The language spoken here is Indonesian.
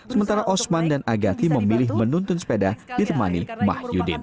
sementara osman dan agati memilih menuntun sepeda ditemani mah yudin